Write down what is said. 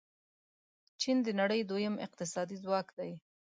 چین د نړۍ دویم اقتصادي ځواک دی.